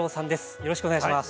よろしくお願いします。